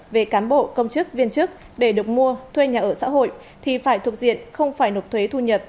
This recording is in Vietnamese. về cán bộ công chức viên chức để được mua thuê nhà ở xã hội thì phải thuộc diện không phải nộp thuế thu nhập